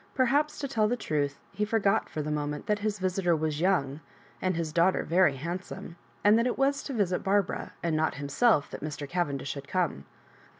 Per haps, to tell the truth, he forgot for the moment that his visitor was young, and his daughter very handsome, and that it was to visit Barbara^ and not himself, that Mr. Cavendish had come.